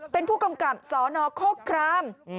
เป็นผู้กำกับสนโคคราม